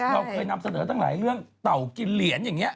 เราเคยนำเสนอตั้งหลายเรื่องเต่ากินเหรียญอย่างนี้